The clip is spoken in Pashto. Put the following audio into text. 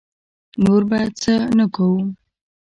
نور به څه نه کووم.